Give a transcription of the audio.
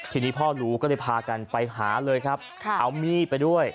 ทีนี้พ่อรู้ก็เลยพากันไปหาเลยครับเอามีดไปด้วย